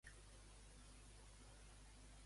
Com surt caracteritzat, Capaneu, als mites?